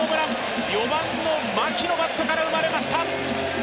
４番の牧のバットから生まれました